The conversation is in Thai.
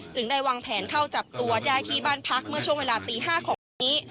ได้วางแผนเข้าจับตัวได้ที่บ้านพักเมื่อช่วงเวลาตี๕ของวันนี้